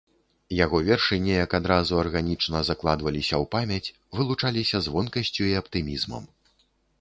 Яго вершы неяк адразу арганічна закладваліся ў памяць, вылучаліся звонкасцю і аптымізмам.